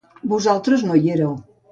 Vosaltres no hi éreu.